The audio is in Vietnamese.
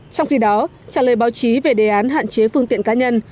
trong khi đó trả lời báo chí về đề án hạn chế phương tiện cá nhân